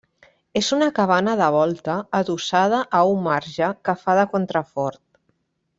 És una cabana de volta adossada a un marge que fa de contrafort.